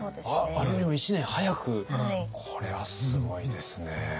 あれよりも１年早くこれはすごいですね。